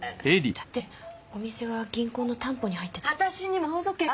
だってお店は銀行の担保に入ってて。